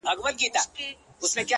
هغه غزلخُمارې ته ولاړه ده حيرانه _